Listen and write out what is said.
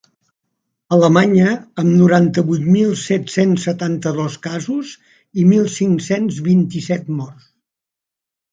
Alemanya, amb noranta-vuit mil set-cents setanta-dos casos i mil cinc-cents vint-i-set morts.